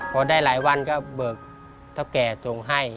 พอได้หลายวันก็เบิกตะแก่จงให้